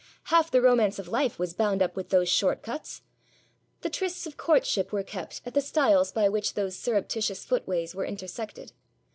Half the romance of life was bound up with those short cuts. The trysts of courtship were kept at the stiles by which those surreptitious footways were intersected.